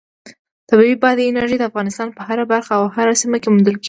طبیعي بادي انرژي د افغانستان په هره برخه او هره سیمه کې موندل کېږي.